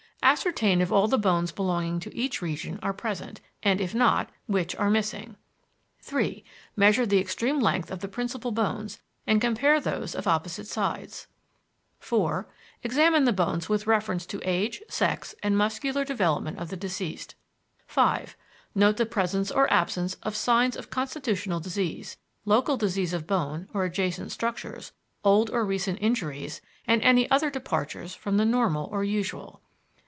Ascertain if all the bones belonging to each region are present, and if not, which are missing. "3. Measure the extreme length of the principal bones and compare those of opposite sides. "4. Examine the bones with reference to age, sex, and muscular development of the deceased. "5. Note the presence or absence of signs of constitutional disease, local disease of bone or adjacent structures, old or recent injuries, and any other departures from the normal or usual.